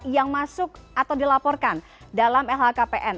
yang masuk atau dilaporkan dalam lhkpn